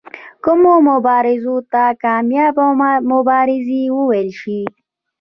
کومو مبارزو ته کامیابه مبارزې وویل شي.